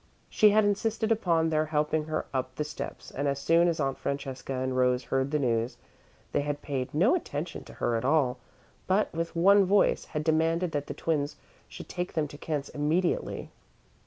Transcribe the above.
She had insisted upon their helping her up the steps, and as soon as Aunt Francesca and Rose heard the news, they had paid no attention to her at all, but, with one voice, had demanded that the twins should take them to Kent's immediately.